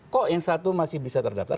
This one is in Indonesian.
kok yang satu masih bisa terdaftar